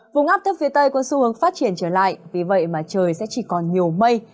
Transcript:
vùng áp thấp phía tây có xu hướng phát triển trở lại vì vậy mà trời sẽ chỉ còn nhiều mây